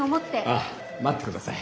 あっ待ってください。